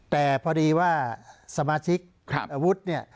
แต่พอดีว่าสมาชิกอาวุธ